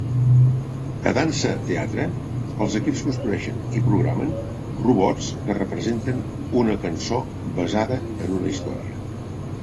A Dance Theatre, els equips construeixen i programen robots que representen una cançó basada en una història.